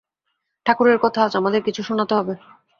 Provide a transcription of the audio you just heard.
ঠাকুরের কথা আজ আমাদের কিছু শোনাতে হবে।